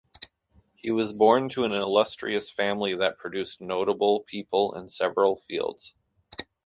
He was born to an illustrious family that produced notable people in several fields.